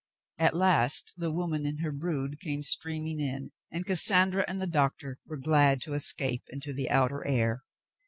At last the woman and her brood came streaming in, and Cassandra and the doctor were glad to escape into the outer air.